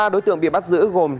ba đối tượng bị bắt giữ gồm